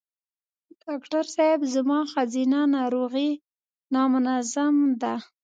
ډاکټر صېب زما ښځېنه ناروغی نامنظم ده